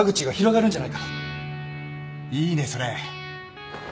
いいねそれ